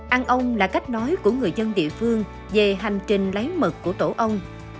ăn ông là cách nói của người dân địa phương về hành trình lấy mật của tổ ông